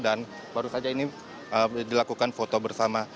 dan baru saja ini dilakukan foto bersama